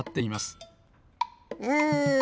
うん。